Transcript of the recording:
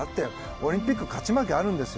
オリンピック勝ち負けあるんですよ。